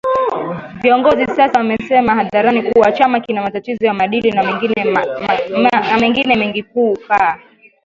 viongozi sasa wanasema hadharani kuwa chama kina matatizo ya maadili na mengine mengiKukaa